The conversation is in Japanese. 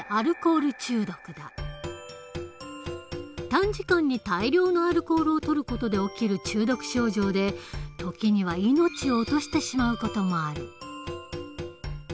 短時間に大量のアルコールをとる事で起きる中毒症状で時には命を落としてしまう事もある。